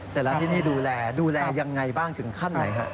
เสร็จแล้วที่นี่ดูแลดูแลยังไงบ้างถึงขั้นไหนฮะ